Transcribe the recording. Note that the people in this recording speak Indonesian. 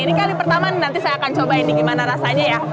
ini kali pertama nanti saya akan cobain nih gimana rasanya ya